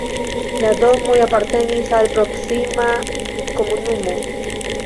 La domoj apartenis al proksima komunumo.